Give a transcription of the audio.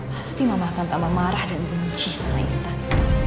pasti mama akan tambah marah dan benci sama intan